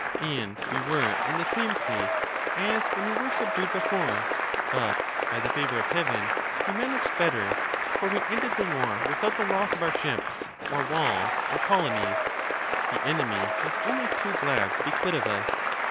And we were in the same case as when we were subdued before ; but, by the favour of Heaven, we managed better, for we ended the war without the loss of our ships or walls or colonies ; the enemy was only too glad to be quit of us.